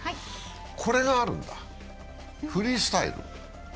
これがあるんだ、フリースタイル。